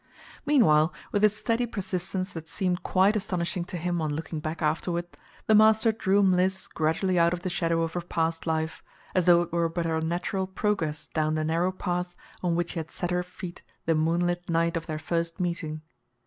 Meanwhile, with a steady persistence that seemed quite astonishing to him on looking back afterward, the master drew Mliss gradually out of the shadow of her past life, as though it were but her natural progress down the narrow path on which he had set her feet the moonlit night of their first meeting.